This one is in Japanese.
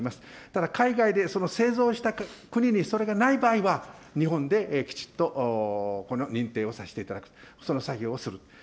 ただ海外でその製造した国にそれがない場合は、日本できちっとこの認定をさせていただく、その作業をする。